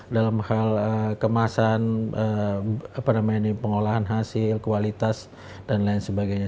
dalam hal kemasan pengolahan hasil kualitas dan lain sebagainya